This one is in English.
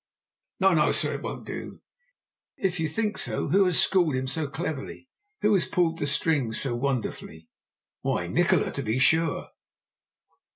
No, no, sir! It won't do! If you think so, who has schooled him so cleverly? Who has pulled the strings so wonderfully?" "Why, Nikola, to be sure!"